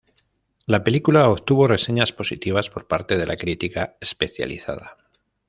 La película obtuvo reseñas positivas por parte de la crítica especializada.